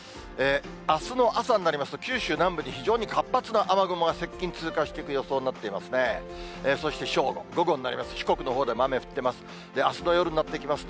あすの朝になりますと、九州南部に非常に活発な雨雲が接近、通過していく予想になっていますね。